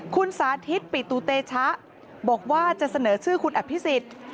คุณสาธิตปิตุเตชะบอกว่าจะเสนอชื่อคุณอภิษฎ